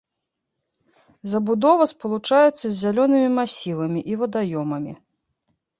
Забудова спалучаецца з зялёнымі масівамі і вадаёмамі.